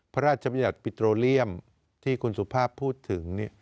พระราชบัญญัติปิโตเรียมที่คุณสุภาพพูดถึง